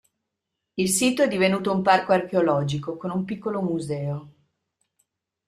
Il sito è divenuto un parco archeologico, con un piccolo museo.